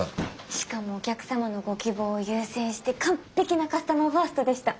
しかもお客様のご希望を優先して完璧なカスタマーファーストでした。